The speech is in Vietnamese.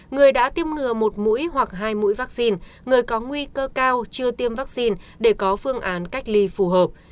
người đã tiêm ngừa một mũi hoặc hai mũi vaccine người có nguy cơ cao chưa tiêm vaccine để có phương án cách ly phù hợp